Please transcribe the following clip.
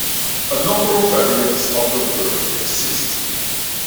A number of variants of the worm exist.